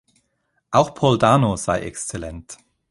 Auch Paul Dano sei exzellent.